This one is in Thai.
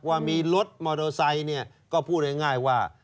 ว่ามีรถมอเตอร์ไซค์เนี่ยก็พูดง่ายว่า